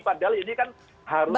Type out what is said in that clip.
padahal ini kan harusnya